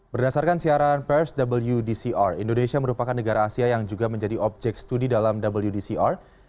berdasarkan siaran pers wdcr indonesia merupakan negara asia yang juga menjadi objek studi dalam wdcr